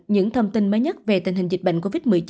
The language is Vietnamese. những thông tin mới nhất về tình hình dịch bệnh covid một mươi chín